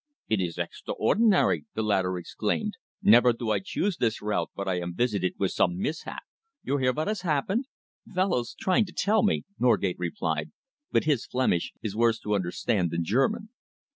"It is extraordinary!" the latter exclaimed. "Never do I choose this route but I am visited with some mishap. You hear what has happened?" "Fellow's trying to tell me," Norgate replied, "but his Flemish is worse to understand than German."